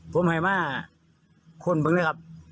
ผมไปมาควรเบิ่งนะครับ